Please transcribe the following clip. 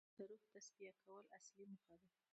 د روح تصفیه کول اصلي موخه ده.